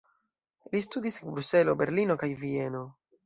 Li studis en Bruselo, Berlino kaj Vieno.